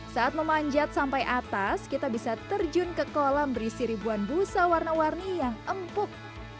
saat memanjat sampai atas kita bisa terjun ke kolam berisi ribuan busa warna warni yang empuk